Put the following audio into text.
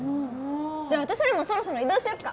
じゃあ私らもそろそろ移動しよっか！